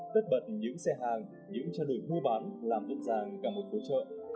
tất bật những xe hàng những trà đồi mua bán làm rộng ràng cả một cửa chợ